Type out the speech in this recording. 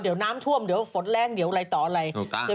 เดี๋ยวน้ำท่วมเดี๋ยวฝนแรงเดี๋ยวอะไรต่ออะไร